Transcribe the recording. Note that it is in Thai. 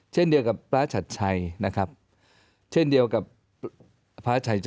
เช่นเดียวกับพระอาริยสัก